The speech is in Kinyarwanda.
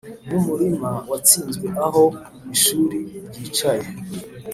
numurima watsinzwe aho ishuri ryicaye